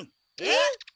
えっ？